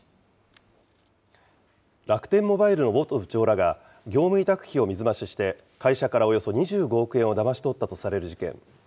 楽天モバイルの元部長らが、業務委託費を水増しして、会社からおよそ２５億円をだまし取ったとされる事件。